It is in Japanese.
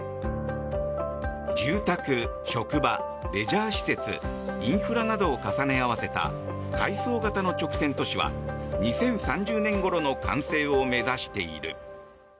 住宅、職場、レジャー施設インフラなどを重ね合わせた階層型の直線都市は２０３０年ごろの完成を目指している。